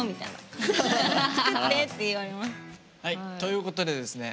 ということでですね